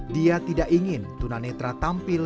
dia tidak ingin tunanetra tampil